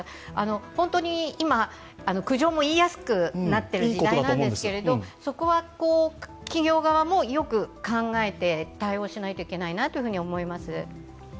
本当に今、苦情も言いやすくなっている時代なんですけれどもそこは企業側もよく考えて対応しないといけないなと思います。